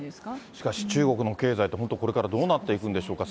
しかし、中国の経済って、本当これからどうなっていくんでしょうか。